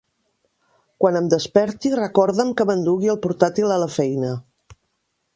Quan em desperti, recorda'm que m'endugui el portàtil a la feina.